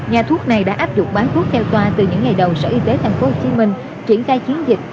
nhà thuốc này đã áp dụng bán thuốc theo toa từ những ngày đầu sở y tế tp hcm triển khai chiến dịch